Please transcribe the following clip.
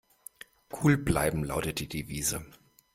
Cool bleiben lautet die Devise.